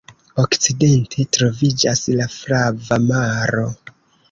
Okcidente troviĝas la Flava Maro.